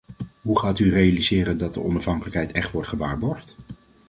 Hoe gaat u realiseren dat de onafhankelijkheid echt wordt gewaarborgd?